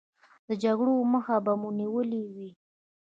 د جګړو مخه به مو نیولې وي.